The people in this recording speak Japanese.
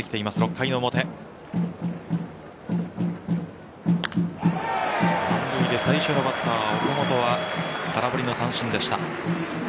満塁で最初のバッター、岡本は空振りの三振でした。